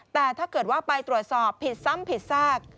แต่ถ้าเกิดว่าไปตรวจสอบผิดซ้ำผิดซาก